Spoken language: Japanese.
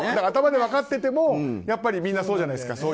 頭で分かっててもみんなそうじゃないですか。